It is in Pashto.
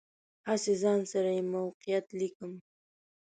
هسې ځان سره یې موقعیت لیکم.